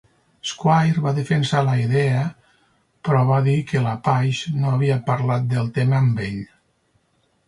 Squire va defensar la idea però va dir que la Page no havia parlat del tema amb ell.